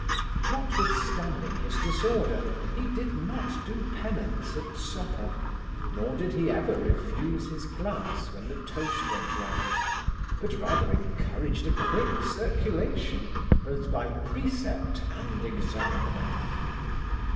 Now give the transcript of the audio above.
Notwithstanding his disorder, he did not do penance at supper, nor did he ever refuse his glass when the toast went round, but rather encouraged a quick circulation, both by precept and example.